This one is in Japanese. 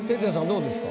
どうですか？